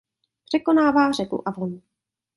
Překonává řeku Avon.